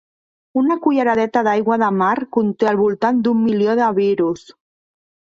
Una culleradeta d'aigua de mar conté al voltant d'un milió de virus.